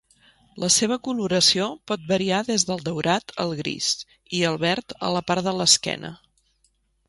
La seva coloració pot variar des del daurat al gris i al verd a la part de l'esquena.